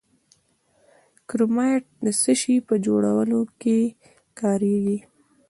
کرومایټ د څه شي په جوړولو کې کاریږي؟